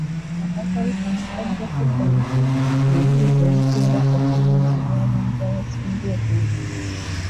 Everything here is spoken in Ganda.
Akatabo kano kajja kuddamu ebibuuzo ebitera okubuuzibwa abantu abasinga obungi.